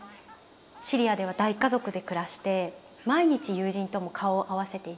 シリアでは大家族で暮らして毎日友人とも顔を合わせていた。